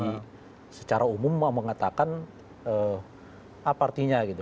jadi secara umum mau mengatakan apa artinya gitu